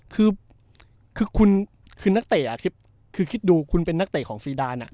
คือคุณคือนักเตะคือคิดดูคุณเป็นนักเตะของซีดาน